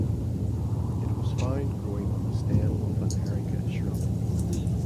It was found growing on the stem of an "Erica" shrub.